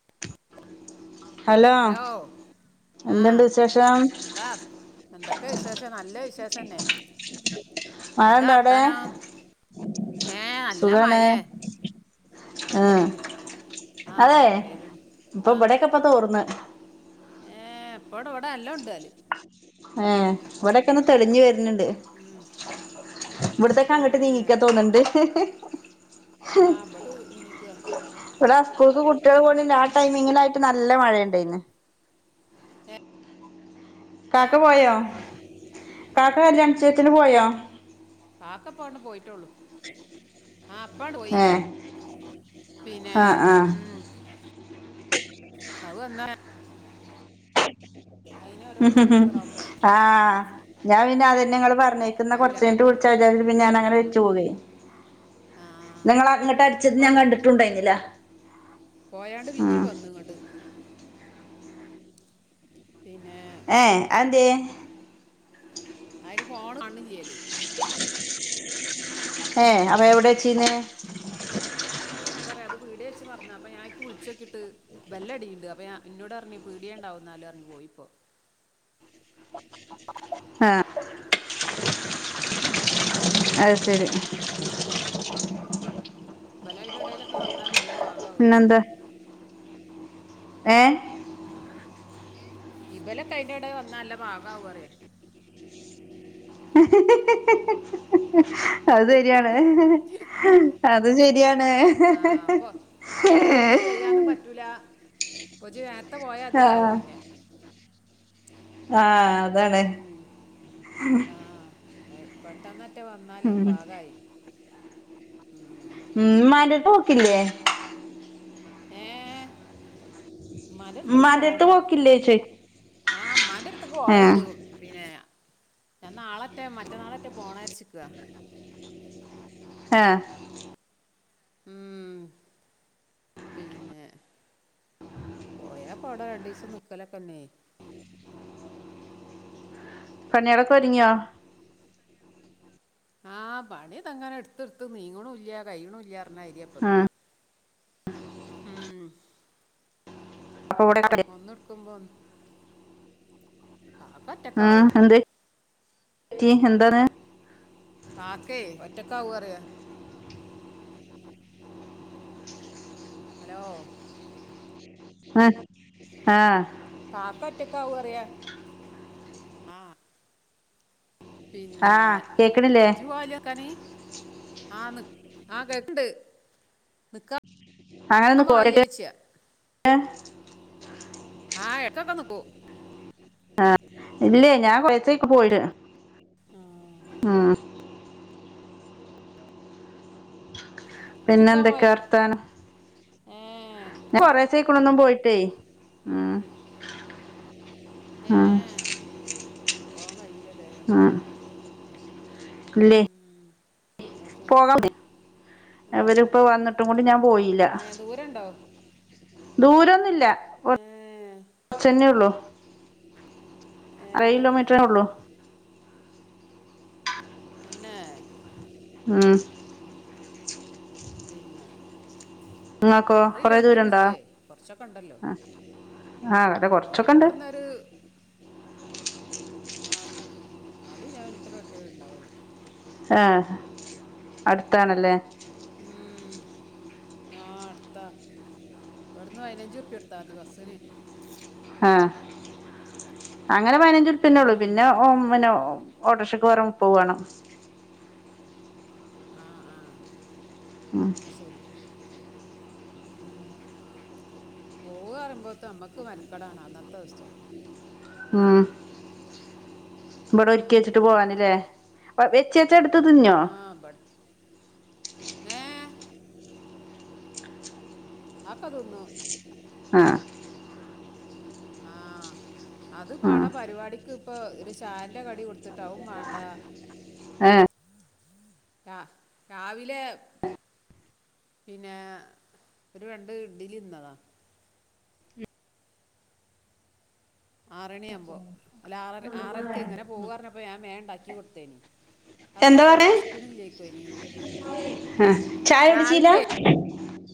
[unintelligible] Hello ആ എന്തുണ്ട് വിശേഷം എന്താ എന്തൊക്കെ വിശേഷ നല്ല വിശേഷം തന്നെ മഴ എന്താ ഇണ്ട അവിടെ വർത്താനം ഏ നല്ല മഴേ ആ ഉം ആ അതെ പേരും ഇപ്പൊ ആ ഇവിടൊക്കെപ്പം തോർന്ന് ഏ ഇവിടെ നല്ലോണം ണ്ട് ന്നാൽ ഏ ഇവിടെക്കെന്ന തെളിഞ്ഞു വര്ന്ണ്ട് ഇവിടത്തൊക്കെ ഏ അങ്ങോട്ട് നീങ്ങിക്കാ തോന്നണ്ട്. ആ ഇവിടെ നീക്കുക ഇവിടെ സ്കൂൾക്ക് കുട്ടികൾ അതന്നെ പോണില്ല ആ ടൈമിങ് നല്ല മഴണ്ടായിന്ന് ഏ കാക്ക പോയോ കാക്ക കല്യാണ നിശ്ചയത്തിന് പോയോ കാക്ക ഇപ്പോ ആട്ട്പോയിട്ടോള്ളു ആ ഇപ്പട് പോയി ഏഹ് പിന്നെ ആഹ് ആഹ് ഉം അത് വന്നാ അതിനെ ഓരോന്ന് എടുത്തിടാവുമ്പളേ ആ ഞാൻ പിന്നെ അത പിന്നങ്ങള് പർഞ്ഞേക്ക്ന്ന കഴിയൂല കൊർച്ചെയ്ഞ്ഞിട്ട് വിൾച്ചാജാരി പിന്നെ ഞാനങ്ങനെ വെച്ചു പോകേ. ആ ന്നങ്ങള അങ്ങട്ട് അട്ച്ചത് ഞാൻ ഇപ്പാണ്ട് കണ്ടിട്ടുണ്ടായിന്നില്ല. പോയാണ്ട് പിന്നീ വന്നു ഇങ്ങട്ട്. പിന്നെ ഏഹ് അഹെന്തേയ്? അയിന് ഫോണ് കാണ് ലില്ലേല്. ഏഹ് അപ്പ എവിടെച്ചീന്ന്? ക്കറിയ അത് പീട്യേ വെച്ച് മർന്ന് അപ്പ ഞാ അയ്ക്ക് വുൾച്ചോക്കിട്ട് ബെ ല്ലടിണ്ട് അപ്പ യാ ഇന്നോടർഞ് പീടേണ്ടാവുന്ന അലർഞ്ഞു പോയിപ്പോ. ആഹ് ഉം ആഹ് അഹ് സെരി പിന്നെ ബലയ്ന് എടേയ്ലൊക്കെ വന്നാല് നല്ല പാകാവേ. ഏഹ് ആഹ്. ഇബലൊക്കെ അയ്ന്റെടെ വന്നാ അല്ല പാകാവു പറിയ. അത് സരിയാണ്. അത് ശരിയാ ആഹ് അപ്പൊ പൊജ് നേരെത്തെ ആ പോയാതിരി ആവും പിന്നെ ആഹ് അതണ് ഉം ആഹ് പെട്ടെന്നറ്റെ വന്നാല് പാകായി ഉം ഉം ഇമ്മാന്റെട്‌ത്ത് ഓക്കില്ലേ? ഏഹ് ഉമ്മാന്റെ ഇമ്മാന്റെട്‌ത്ത് പോക്കില്ലേ ചോയ് ആഹ് ഇമ്മാന്റട്‌ത്ത്ക്ക് ഏ പോല്ണ്ട്‌ പിന്നെ ഞാൻ നാളറ്റെ മറ്റന്നാളറ്റെ പോണം ര്ച്ച്ക്കാ ഹേ ഉം പിന്നെ പോയാ പവ്ടെ രണ്ടിസം നിക്കലൊക്കെന്നെ പണിയാള്ളോക്കെ ഒരുങ്യൊ? ആഹ് പണി തങ്ങനെ ഇട്‌ത്ത് ഇട്ത്ത് നീങ്ണൂല്ല കയ്യ്ണൂല്ല ആ അർഞ്ഞയ്ര്യാപ്പത് ഹ് അപ്പൊ ഇവിടെ ഒന്ന് ഇട്ക്കുമ്പോ ഒ ഹ് എന്തേ റ്റി എന്താണ്? കാക്കേ ഒറ്റക്കാവും അറിയാ ഹലോ ഹ് ആഹ് കാക്ക ഒറ്റക്കാവും അറിയാ ആഹ് ആ പിന്നെ കേക്കണില്ലേ ജ് [unintelligible] ആഹ് ന്ന് ആഹ് കേക്ണ്ട് ന്ന്ക്ക അങ്ങനെ [unintelligible] ആഹ് എട്കൊക്കെ ന്ന്ക്കൂ ആഹ് ഇല്ലേ ഞാൻ [unintelligible] പോയിട്ട് ഉം പിന്നെ ജിക്കാൻ പോയ എന്തൊക്കെ വർത്താനം ഏ ഏഹ് കൊറേസായിക്ക്ണൊന്നും പോയിട്ടേ. ഉം ഉം ഏഹ് പോവാ കയ്യൂലല്ലേ ഉം ഇല്ലേ ആ ശരി [unintelligible] ആ ഇവല് ഇപ്പോവന്ന്ട്ടും കൂടി ഞാൻ പോയില്ലാ ഏ ദൂരണ്ടോ ദൂരൊന്നുല്ല ഏ കൊറ്ച്ചെന്നെയുള്ളു ഏ [unintelligible] കിലോമീറ്ററെ ഒള്ളു തന്നേ ഉം പിന്നെ നിങ്ങക്കോ ആറ് കൊറേ ദൂരണ്ടോ കിലോമീറ്ററ്ല്ലേ കൊറ്ച്ചൊക്കണ്ടല്ലോ ആഹ് അതെ കൊറ്ച്ചൊക്കണ്ട് ആഹ് നാല് കിലോമീറ്ററൊട്ടെ ഇണ്ടാവോള്ളു ആഹ് അട്ത്താണ്ല്ലേ ഉം ആഹ് അട്ത്താ ഇവട്ന്ന് പയിനഞ്ചുറുപ്പ്യൊട്ത്താതി ബസിന് ആഹ് അങ്ങനെ പയിനഞ്ചുറുപ്പ്യന്നൊള്ളൂ ഉം. പിന്നെ ഓ പിന്നെ ഒ ഓട്ടോറ്ക്ഷക്ക് പോരാൻ മുപ്പഹ് വാണം ആ ആ ഉം [unintelligible] ശരി ഉം പോവാറിമ്പോത്ത് അമ്മക്ക് മെനക്കടാണ് അന്നത്തോവസം ഇവടെ ഒരുക്കി വെച്ച്ട്ട് പോവാന്ല്ലേ ഇവ വെച്ചെ ച്ചാട്ത്ത് തിന്നോ ആ ബട് ഏ അവൊക്കെ തിന്നും ആഹ് ആഹ് അത് ആ പാട പരിപാടിക്ക് ഇപ്പൊ ഒരു ചായാന്റെ കടി കൊടുത്തിട്ട് അഹും വാണ്ടാ ആഹ് ആഹ് രാവിലെ പിന്നെ ഒരു രണ്ട് ഇഡ്ലി തിന്നതാ ആറണിയാവുമ്പോ അല്ല ആറര ആറരക്ക് ഇങ്ങനെ പോവാ പറഞ്ഞപ്പം ഞാൻ വേ ഇണ്ടാക്കി കൊടുത്തേനി ഔ എന്താ ക്കപ്പം പറയ വേശ്ക്ക്ണ് ഇല്ലേക്കു അയ്ന് ആഹ് ചായ കുടിച്ചില്ല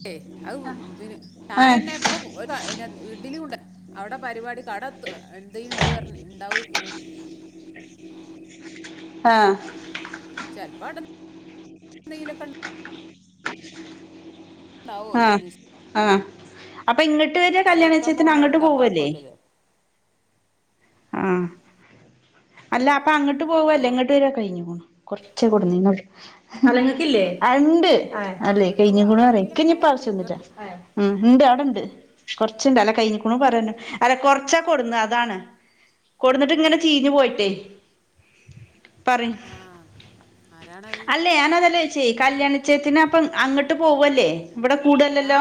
ഏഹ് അഹ് പിന്നെ ആ ചായന്നെ ഇപ്പൊ [unintelligible] ണ്ട് അവിടെ പരിപാടി കട ത്ത് എന്തണ്ടാവർഞ്ഞി ഇണ്ടാവേക്കും ആഹ് എന്തങ്കിലൊക്കെ ഉ ഉണ്ടാവോ ആഹ് ആഹ് അപ്പൊ ഇങ്ങട്ട് വരാ കല്യാണ നിശ്ചയിക്കാൻ നിശ്ചയത്തിന് പോകുമ്പോ അങ്ങട്ട് ഉണ്ടാക്കാൻ പോകല്ലേ കൊല്ലല്ലോ ആഹ് അല്ല അപ്പ അങ്ങട്ട് ആ പോവല്ലേ ഇങ്ങട്ട് വരു കെ കഴിഞ്ഞോ കുർച്ച് കൊടുന്നീനു അവരു അല്ല നിങ്ങക്ക് ആ ഇല്ലേ ആഹ് ഇണ്ട് ആ അല്ലെ അങ്ങോട്ട് പോവാ കഴിഞ്ഞുക്കുണു അപ്പൊ പറ ഇൻക്ക് എന്തെങ്കിലും പ്പം ഞ്ഞി ഉണ്ടാവും അതൊക്കെ ആവശ്യം ഒന്നും ഇങ്ങ- ഇല്ല ഇണ്ട് ആടെ ണ്ട് കൊറച്ചുണ്ട് അല്ല കഴിഞ്ഞിക്ക്ണു പറയ അല്ല കൊറച്ചാ കൊടുന്നാ അതാണ് കൊടുന്നിട്ട് ഇങ്ങനെ ചീഞ്ഞു പോയിട്ടെ പറി ആ ആരാണത് അല്ലേ ഞാനതല്ലേ ശേ കല്യാണ നിശ്ചയച്ചയത്തിന് അപ്പം അങ്ങട്ട് പോവല്ലേ ഇവട ആ കൂടല്ലല്ലോ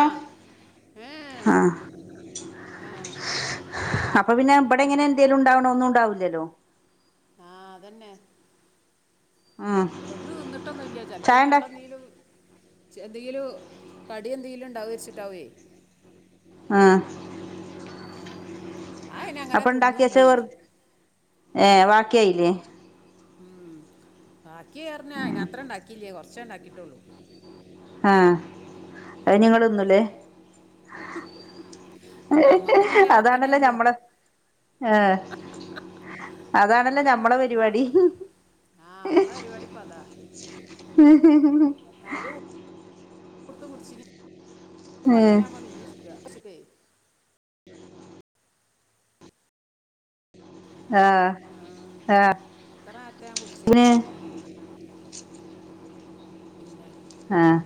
ഏ ആഹ് ആ അപ്പൊ പിന്നെ ഇവിടെ ഇങ്ങനെ എന്തെലും ഉണ്ടാവണ ഒന്നും ഇണ്ടാവൂല്ല ല്ലോ ആഹ് അതന്നെ ഉം ഇവട്ന്ന് തിന്നിട്ടൊന്നും ഇല്ല ചിലപ്പ ചായ ഉണ്ടാക്കി അവടെന്തേലും ച്എന്തെങ്കിലും കടി എന്തെങ്കിലും ഉണ്ടാവേരിച്ചിട്ടാവേ. ആഹ് അആയിനങ്ങനെ തിന്നൂല്ല്യന്. ഏഹ് വാക്കിയായിലേ ഉം ബാക്കി യർഞ്ഞാ അയിനാത്രം ഉണ്ടാകില്ല്യ കൊർച്ചേ ഉണ്ടാക്കിട്ടൊള്ളൂ. ആഹ് അത് ഞ്ഞിങ്ങള് തിന്നുല്ലേ നമുക്ക് പിന്നെ അതാണല്ലോ പത്തണി ഞമ്മളെ ഏഹ് നമ്മളന്നെ ഇപ്പൊ തിന്നാള്ളൂ. ആഹ് നമ്മളെ പരിപാടിപ്പ അതാ അതിന്റെ കൊടുത്ത് കുടിച്ചിനി ഇപ്പ ഏ പത്തണ്യാവുമ്പോ പിന്നിം വിശക്ക വിശക്ക്‌വേ ആഹ് ആഹ് അത്ര നേരത്തെ ഞാൻ കുടിച്ചു കഴിഞ്ഞു പിന്നെ പിന്നെ ആഹ്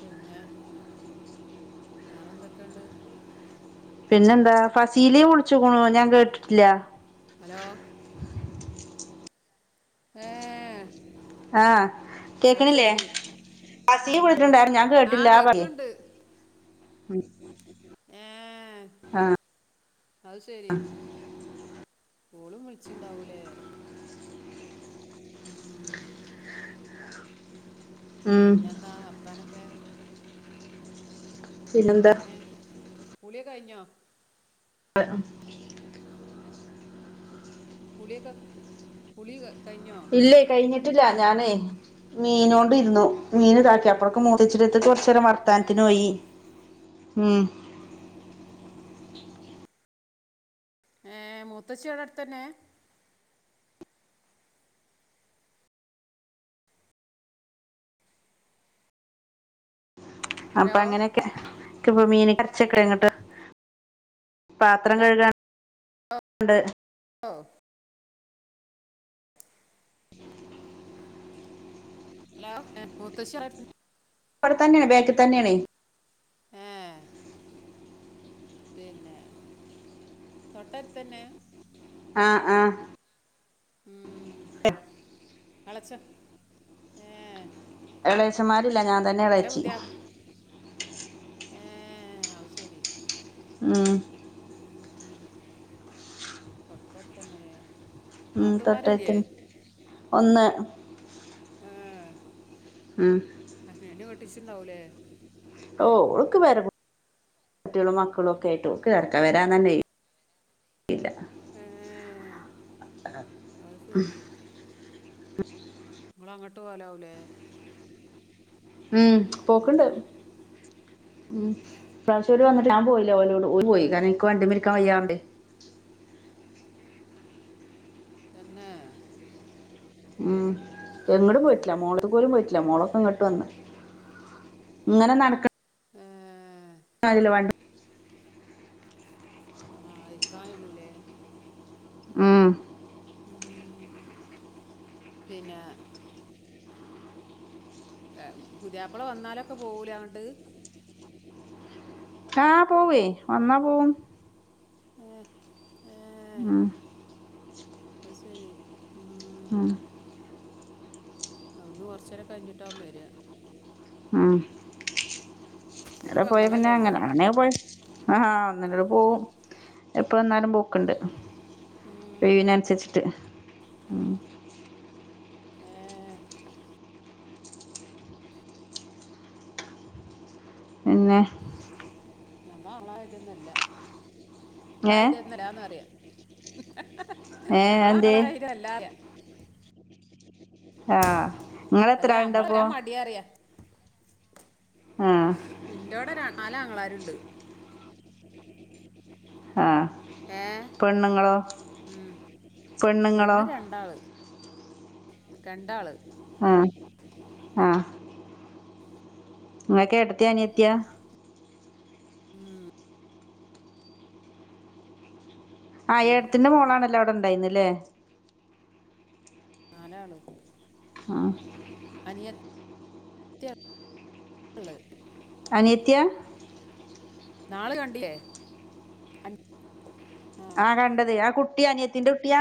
പിന്നെ വേറെ എന്തൊക്കെണ്ട് പിന്നെന്താ? ഫസീലിം വുള്ച്ചുകുണു ഞാൻ കേട്ട്ട്ടില്ല. ഹലോ ഏഹ് ആഹ് കേക്ക്ണില്ലെ? പസീലിം ഉം. വുള്ച്ച്ട്ട്ണ്ടാരുന്നു ഞാൻ ആ കേട്ട്ല്ലാ പറ്യെ കേക്കുണ്ട് ഏഹ് അഹ് സരി ഓളും വുള്ച്ചിംണ്ടാവുലെ. ആഹ് ഉം പിന്നെന്താ വർത്താനൊക്കെ? പിന്നെന്താ പിന്നെ കുളിയൊക്കെ കഴിഞ്ഞൊ? കുളിയൊക്കെ കുളി ക കഴിഞ്ഞോ ഇല്ലെയ് കഴിഞ്ഞ് ട്ടില്ലാ ഞാനെ മീനോണ്ടിരുന്നു മീന് താക്കി അപ്പള്ക്ക് മൂത്തച്ചിടട്ത്ത്ക് കൊറച്ച് ത്തരം ആ വർത്താൻത്തിനോയി ഉം ഏഹ് മൂത്തച്ചി അവ്ടെ അടുത്തെന്നെ അപ്പ ഹലോ അങ്ങനൊക്കെ ഇക്ക്പൊ മീന്ക് അർച്ച്ക്കെങ്ങട്ടെ പാത്രം ഹലോ കഴ്കാൻണ്ട് ഓഹ് ഹലോ മൂത്തച്ചി അവിട്ത ഇവട് തന്നേണ് ബാക്കി തന്നേണെയ് ആഹ് പിന്നെ തൊട്ടട്ത്തെന്നെ ആഹ് ആഹ് ഉം എളച്ചൻ ഏഹ് എളേച്ചമാരില്ല ഞാൻ തന്നെ എളേച്ചി ഏഹ് അത് സരി ഉം ഉം തൊട്ടട്ത്തെന്നെലേ ഉം തൊട്ടട്ത്തെന്നെ ഒന്ന് ആഹ് ഉം അതെ നു കെട്ടിച്ചിണ്ടാവുലേ ഓഹ് ഓൾക്ക് പേര കുട്ട്യാളും മക്കളും ഒക്കെ ആയിട്ട് ഓൾക്ക് തെരക്ക വരാനെന്നെ ഒയ് ഏഹ് അത്ശരി ഇങ്ങളങ്ങ്ട്ട് പോവലാവുലേ ഉം പോക്ക്ണ്ട് ഉം ഇപ്രാവശ്യോല് വന്ന്ട്ട് ഞാൻ പോയി ലാ ഓര് പോയി ഉം, കാരണം ഇൻക്ക് വണ്ടിമ്മിരിക്കാൻ വയ്യാർഞ്ഞിട്ട് തന്നേ എങ്ങ്ടും പോയിട്ട്ല്ല മോളട്ത്ക് പോലും പോയിട്ടില്ല മോളൊക്കെ ഇങ്ങ്ട്ട് വന്ന് ഇങ്ങനെ നടക്ക് ഏഹ് [unintelligible] വണ്ടി ആഹ് അയ്ക്കായില്ലല്ലെ ഉം പിന്നെ പുതിയാപ്പ്ള വന്നാലൊക്കെ പോവൂലെ ആട്ട് ആഹ് പോവുയ് വന്നാ പോവും ഏഹ് ഏഹ് ഉം അഹ് സെരി ഉം ആഹ് അവിട്ന്ന് കൊറച്ചേരം കഴിഞ്ഞിട്ട ഓൻ വര ഒരു എടെ പോയ പിന്നെ പെങ്ങളല്ലേ ഉള്ളൂ അങ്ങനെന്നെ പോയ ആഹാ അന്നടെ പോവും എപ്പ വന്നാലും പോക്ക് ഉണ്ട് ഉം ഒവിനനുസരിച്ചിട്ട് ഉ ഏ പിന്നെ ഞത ആളതൊന്നല്ല ഏ ആളന്നല്ലന്ന അറിയ [unintelligible] ഏ [unintelligible] എന്തേ ഞമ്മളാങ്ങളായിര അല്ലറ ആ നിങ്ങളെത്ര അല്ലെ ആളുണ്ടപ്പോ അമ്മാക്ക മടിയറിയാ ആ എന്റെവിടെ രണ്ട നാലാങ്ങളരുണ്ട് ആ ഏഹ് പെണ്ണുങ്ങളോ പെണ്ണുങ്ങളോ പെണ്ണ് രണ്ടാള് രണ്ടാള് ആ നിങ്ങക്ക് ഏട്ടത്തിയാ അനിയത്തിയാ ഉം ആ എട്ടത്തിന്റെ മോളാണല്ലോ ഇവിടെ ഉണ്ടായിന്നല്ലേ നാലാള് ആ അനിയ ത്തി യ ള്ളത് അനിയത്തിയാ നാള് കണ്ടിയേ അനി ആ കണ്ടത് ആ കുട്ടി അനിയത്തിന്റെ കുട്ടിയാ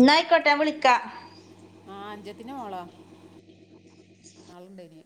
ന്നായിക്കോട്ടെ ഞാൻ വിളിക്ക ആ അനിജത്തിന്റെ മോള നൾടന്